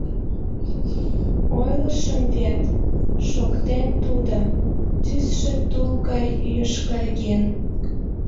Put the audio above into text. — Ойлышым вет, — шоктен тудо, тӱсшӧ тул гай йошкарген.